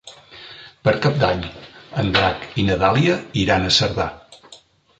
Per Cap d'Any en Drac i na Dàlia iran a Cerdà.